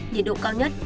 nhiệt độ cao nhất